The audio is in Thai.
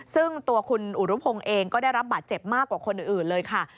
ซึ่งตัวคุณอุรุพงศ์เองก็ได้รับบาดเจ็บมากกว่าคนอื่นเลยค่ะ